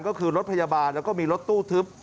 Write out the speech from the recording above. ก็คือรถพยาบาลแล้วก็มีรถตู้ทึบ